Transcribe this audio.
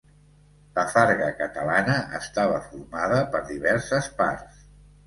La farga catalana estava formada per diverses parts.